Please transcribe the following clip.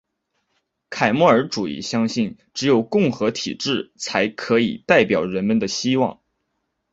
凯末尔主义相信只有共和体制才可以代表人民的希望。